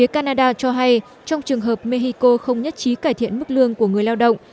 canada cho hay trong trường hợp mexico không nhất trí cải thiện mức lương của người lao động